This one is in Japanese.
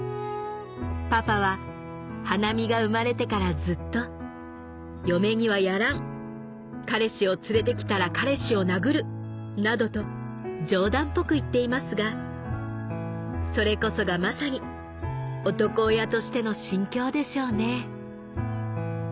「パパは華実が生まれてからずっと『嫁にはやらん彼氏を連れて来たら彼氏を殴る』などと冗談っぽく言っていますがそれこそがまさに男親としての心境でしょうね」